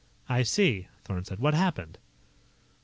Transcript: "I see," Thorn said. "What happened?"